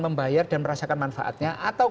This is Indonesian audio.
membayar dan merasakan manfaatnya atau